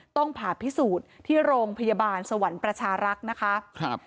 ต้องผ่าพิสูจน์ที่โรงพยาบาลสวรรค์ประชารักษ์นะคะครับ